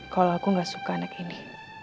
kalau aku gak suka anak ini